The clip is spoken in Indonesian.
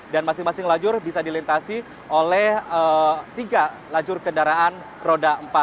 dan masing masing lajur bisa dilintasi oleh tiga lajur kendaraan roda empat